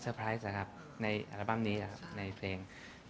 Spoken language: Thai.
ไพรส์นะครับในอัลบั้มนี้ครับในเพลง